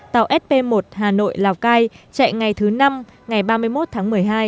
tàu sp một hà nội lào cai chạy ngày thứ năm ngày ba mươi một tháng một mươi hai